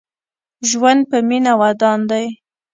ژوند په مينه ودان دې